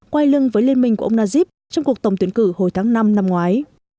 quay lưng với liên minh của ông najib trong cuộc tổng tuyển cử hồi tháng năm năm ngoái